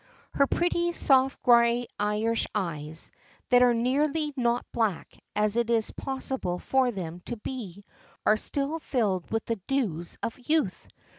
Her pretty soft grey Irish eyes, that are as nearly not black as it is possible for them to be, are still filled with the dews of youth.